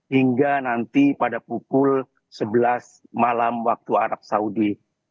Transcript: hingga nanti pada pukul sebelas malam waktu arab saudi